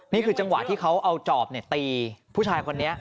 นี่คือจังหวะที่เขาเอาจอบตีผู้ชายคนนี้